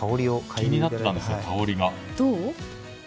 気になってたんです、香りが。